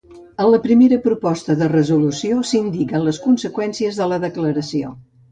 En la primera proposta de resolució s’indiquen les conseqüències de la declaració.